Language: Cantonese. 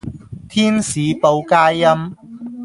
天使報佳音